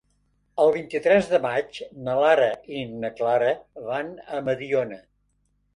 El vint-i-tres de maig na Lara i na Clara van a Mediona.